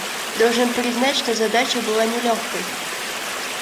Должен признать, что задача была нелегкой.